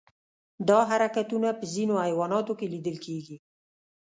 دا حرکتونه په ځینو حیواناتو کې لیدل کېږي.